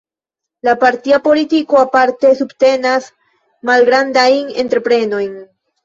La partia politiko aparte subtenas malgrandajn entreprenojn.